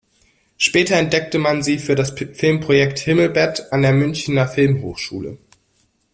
Später entdeckte man sie für das Filmprojekt "Himmelbett" an der Münchner Filmhochschule.